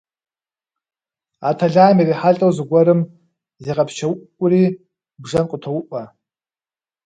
А тэлайм ирихьэлӏэу зыгуэрым зегъэпсчэуӏури бжэм къытоуӏуэ.